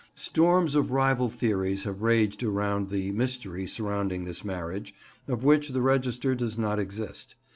Storms of rival theories have raged around the mystery surrounding this marriage, of which the register does not exist.